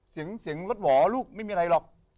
เสียงรถหวอลูกไม่มีอะไรหรอก